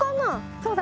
そうだね。